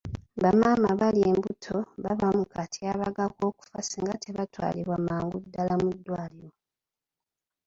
Bamaama abali embuto baba mu katyabaga k'okufa singa tebatwalibwa mangu ddaala mu ddwaliro.